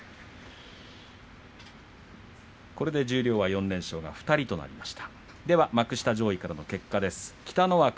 これで十両は連勝が２人となりました。